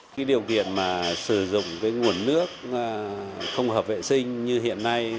cái điều kiện mà sử dụng cái nguồn nước không hợp vệ sinh như hiện nay